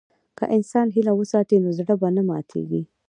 که انسان هیله وساتي، نو زړه به نه ماتيږي.